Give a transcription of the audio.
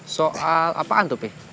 soal apaan tuh peh